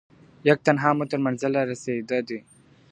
یک تنها مو تر منزله رسېده دي .